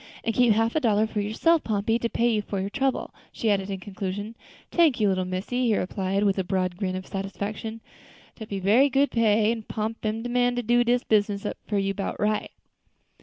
"And keep half a dollar for yourself, Pompey, to pay you for your trouble," she added in conclusion. "Tank you, little missy," he replied, with a broad grin of satisfaction; "dat be berry good pay, and Pomp am de man to do dis business up for you 'bout right."